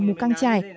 mù căng trải